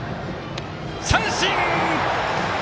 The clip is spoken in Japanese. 三振！